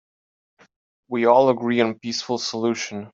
We all agree on a peaceful solution.